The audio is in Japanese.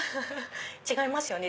違いますよね